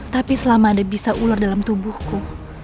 tapi selama ada bisa ular dalam tubuhku